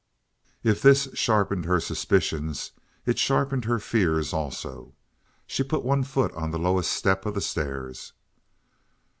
If this sharpened her suspicions, it sharpened her fear also. She put one foot on the lowest step of the stairs.